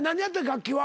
楽器は。